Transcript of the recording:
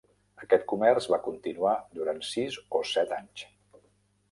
Aquest comerç va continuar durant sis o set anys.